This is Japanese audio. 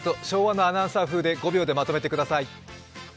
昭和のアナウンサーのようにまとめてください。